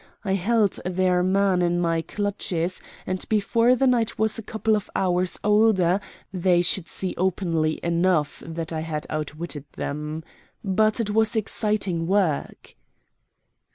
I held their man in my clutches; and before the night was a couple of hours older they should see openly enough that I had outwitted them. But it was exciting work.